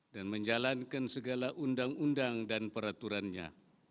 dan menjalankan segala undang undang dan peraturannya